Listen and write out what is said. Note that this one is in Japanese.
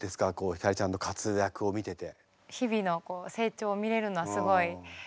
晃ちゃんの活躍を見てて。